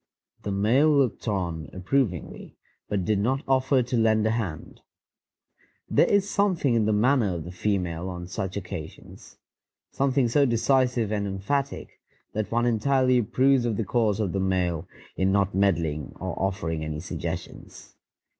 The male looked on approvingly, but did not offer to lend a hand. There is something in the manner of the female on such occasions, something so decisive and emphatic, that one entirely approves of the course of the male in not meddling or offering any suggestions.